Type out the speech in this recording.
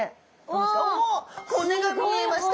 おっ骨が見えました！